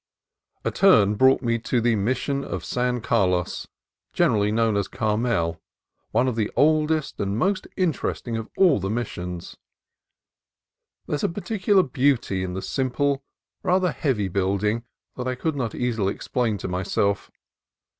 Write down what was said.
A turn brought me to the Mission of San Carlos, generally known as Carmel, one of the oldest and most interesting of all the Missions. There is a peculiar beauty in the simple, rather heavy building that I could not easily explain to myself.